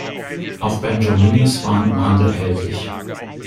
Auch "Banjo Minis" waren im Handel erhältlich.